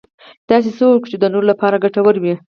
داسې څه وکړه چې د نورو لپاره ګټور وي .